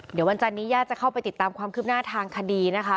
เดี๋ยววันจันนี้ญาติจะเข้าไปติดตามความคืบหน้าทางคดีนะคะ